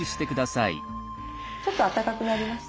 ちょっとあったかくなりました？